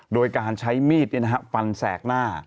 โดยการใช้มีดปลาหน้า